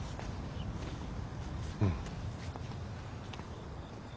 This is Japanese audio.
うん。